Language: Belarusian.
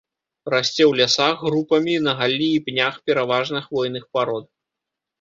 Расце ў лясах групамі на галлі і пнях пераважна хвойных парод.